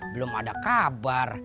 belum ada kabar